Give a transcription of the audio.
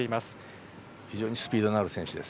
非常にスピードのある選手です。